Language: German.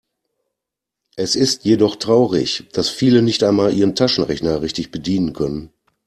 Es ist jedoch traurig, dass viele nicht einmal ihren Taschenrechner richtig bedienen können.